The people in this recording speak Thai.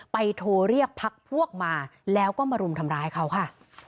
โทรเรียกพักพวกมาแล้วก็มารุมทำร้ายเขาค่ะ